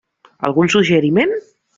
Algun suggeriment?